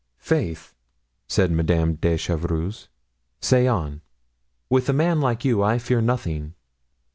"Faith!" said Madame de Chevreuse, "say on. With a man like you I fear nothing."